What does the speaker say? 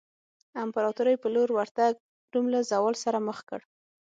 امپراتورۍ په لور ورتګ روم له زوال سره مخ کړ.